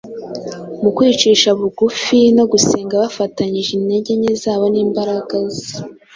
Mu kwicisha bugufi no gusenga bafatanyije intege nke zabo n’imbaraga ze,